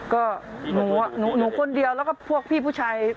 ก็หนูคนเดียวแล้วก็พวกพี่ผู้ชาย